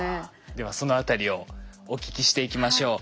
ではそのあたりをお聞きしていきましょう。